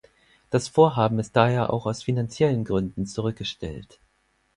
Das Vorhaben ist daher auch aus finanziellen Gründen zurückgestellt.